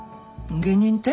下忍って？